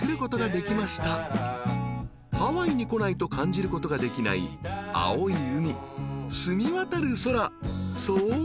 ［ハワイに来ないと感じることができない青い海澄み渡る空爽快な風